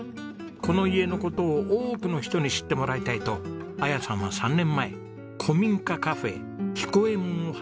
この家の事を多くの人に知ってもらいたいと彩さんは３年前古民家カフェ彦右衛門を始めました。